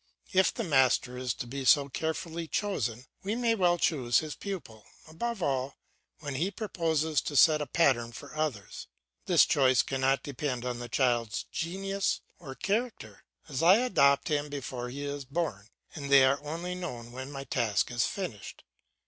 If the master is to be so carefully chosen, he may well choose his pupil, above all when he proposes to set a pattern for others. This choice cannot depend on the child's genius or character, as I adopt him before he is born, and they are only known when my task is finished.